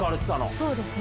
そうですね。